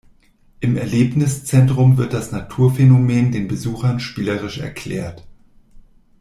Im Erlebniszentrum wird das Naturphänomen den Besuchern spielerisch erklärt.